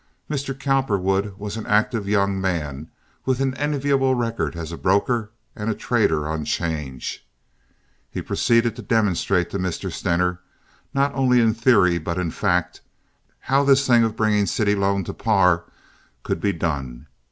Mr. Cowperwood was an active young man with an enviable record as a broker and a trader on 'change. He proceeded to demonstrate to Mr. Stener not only in theory, but in fact, how this thing of bringing city loan to par could be done.